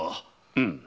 うん。